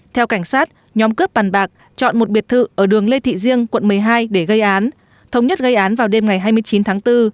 theo cảnh sát nhóm cướp bàn bạc chọn một biệt thự ở đường lê thị riêng quận một mươi hai để gây án thống nhất gây án vào đêm ngày hai mươi chín tháng bốn